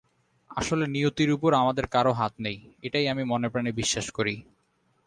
আসলে নিয়তির ওপর আমাদের কারও হাত নেই, এটাই আমি মনে-প্রাণে বিশ্বাস করি।